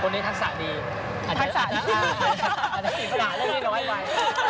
คนนี้ทักษะดีอาจจะล้อไหม